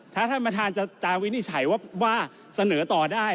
ถ้าท่านประธานจะวินิจฉัยว่าเสนอต่อได้